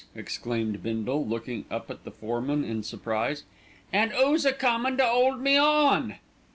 exclaimed Bindle, looking up at the foreman in surprise. "An' who's a comin' to 'old me on?"